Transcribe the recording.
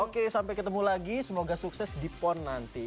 oke sampai ketemu lagi semoga sukses di pon nanti